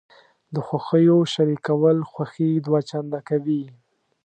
د خوښیو شریکول خوښي دوه چنده کوي.